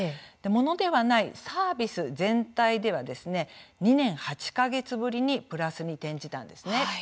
モノではない、サービス全体では２年８か月ぶりにプラスに転じたんですね。